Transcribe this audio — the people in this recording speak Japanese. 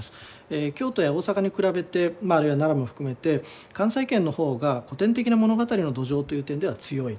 京都や大阪に比べてあるいは長野も含めて関西圏の方が古典的な物語の土壌という点では強い。